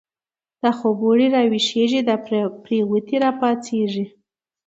دا خوب و ړی را ویښیږی، دا پریوتی را پاڅیږی